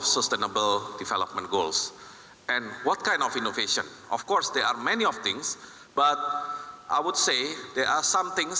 mungkin tidak unik bagi banyak negara yang berpengalaman